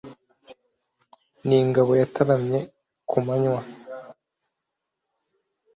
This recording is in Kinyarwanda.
Ni ingabo yataramye kumanywa